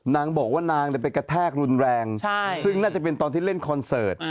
นางบอกว่านางไปกระแทกรุนแรงซึ่งน่าจะเป็นตอนที่เล่นคอนเสิร์ต